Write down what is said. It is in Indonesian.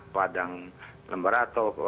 padang lembar atau